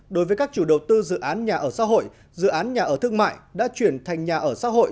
đối với các chủ đầu tư dự án nhà ở xã hội dự án nhà ở thương mại đã chuyển thành nhà ở xã hội